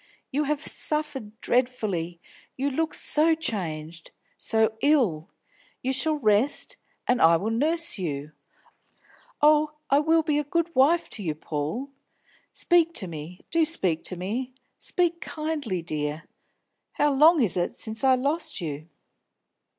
You have suffered dreadfully; you look so changed, so ill. You shall rest, and I will nurse you. Oh, I will be a good wife to you, Paul. Speak to me, do speak to me: speak kindly, dear! How long is it since I lost you?"